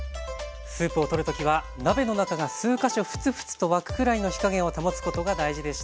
スープをとる時は鍋の中が数か所フツフツと沸くくらいの火加減を保つことが大事でした。